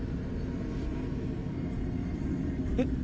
えっ？